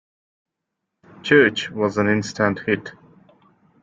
"Church" was an instant hit.